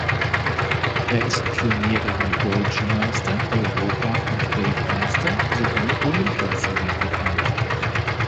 Er ist für mehrere deutsche Meister, Europa- und Weltmeister sowie Olympiasieger bekannt.